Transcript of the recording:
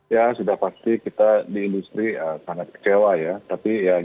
ya sudah pasti kita di industri sangat kecewa ya tapi ya gimana lagi